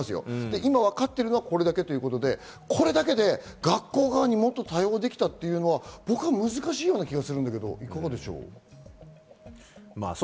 今わかっているこれだけで、学校側にもっと対応できたというのは僕は難しいような気がするんだけど、いかがでしょう？